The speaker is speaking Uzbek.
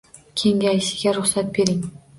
Kengayishiga ruxsat bering